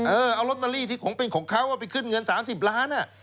เอาลอตเตอรี่ที่คงเป็นของเขาไปขึ้นเงิน๓๐ล้าน